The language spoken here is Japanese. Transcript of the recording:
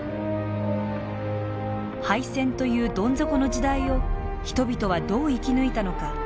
敗戦というどん底の時代を人々はどう生き抜いたのか。